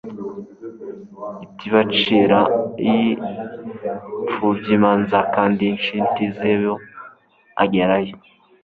itibacirai, mpfubyiimanzakandintizibageraho